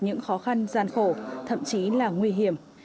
những khó khăn gian khổ thậm chí là nguy hiểm